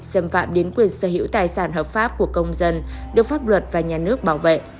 xâm phạm đến quyền sở hữu tài sản hợp pháp của công dân được pháp luật và nhà nước bảo vệ